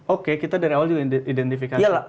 oke kita dari awal juga identifikasi